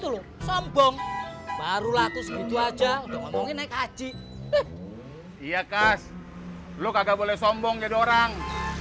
lu sombong barulah tuh gitu aja ngomongin naik haji iya kas lu kagak boleh sombong jadi orang